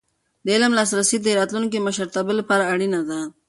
د علم لاسرسی د راتلونکي مشرتابه لپاره اړینه ده.